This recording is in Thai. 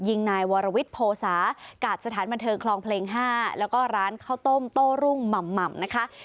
ยิงนายวรวิทย์โพสากาศสถานบันเทิงคลองเพลง๕แล้วก็ร้านข้าวต้มโต้รุ่งหม่ำนะคะ